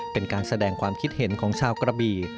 เป็นการแสดงความคิดเห็นของชาวกระบี่